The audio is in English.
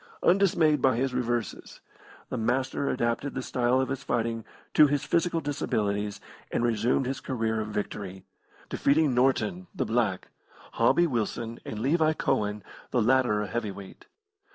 Undismayed by his reverses, the Master adapted the style of his fighting to his physical disabilities and resumed his career of victory defeating Norton (the black), Hobby Wilson, and Levi Cohen, the latter a heavy weight.